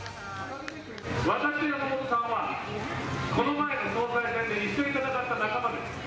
私と山本さんは、この前の総裁選で一緒に戦った仲間です。